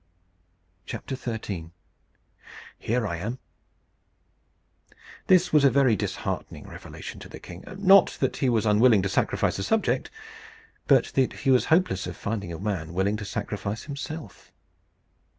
XIII. HERE I AM. This was a very disheartening revelation to the king not that he was unwilling to sacrifice a subject, but that he was hopeless of finding a man willing to sacrifice himself.